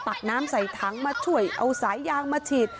ตักน้ำใส่ถังมาช่วยเอาสายยางมาฉีด